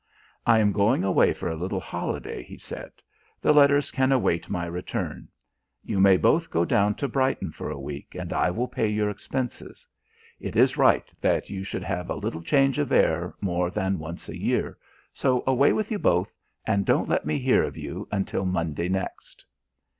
"I am going away for a little holiday," he said. "The letters can await my return. You may both go down to Brighton for a week, and I will pay your expenses. It is right that you should have a little change of air more than once a year, so away with you both, and don't let me hear of you until Monday next."